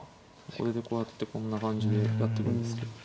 これでこうやってこんな感じでやってくんですか。